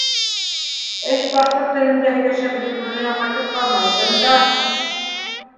Эш башҡорт телендә һөйләшә белеүгә генә ҡайтып ҡалмай бында.